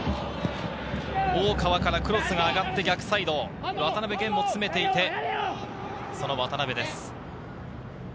大川から、クロスが上がって逆サイド、渡辺弦も詰めていて、その渡辺です。